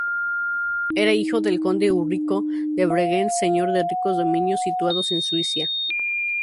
Era hijo del conde Ulrico de Bregenz, señor de ricos dominios situados en Suiza.